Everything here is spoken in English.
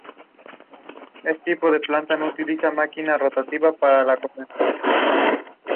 As an undergraduate she worked on fuel cell technology.